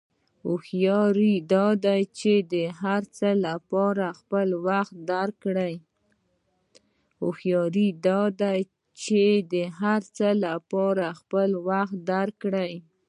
هوښیاري دا ده چې د هر څه لپاره خپل وخت درک کړې.